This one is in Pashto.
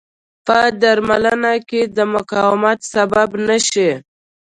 په درملنه کې د مقاومت سبب نه شي.